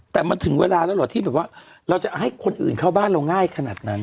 แต่มันถึงเวลาแล้วเหรอที่แบบว่าเราจะให้คนอื่นเข้าบ้านเราง่ายขนาดไหน